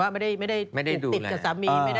ไม่ได้ติดกับสามีไม่ได้อะไร